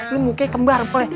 lo mukanya kembar boleh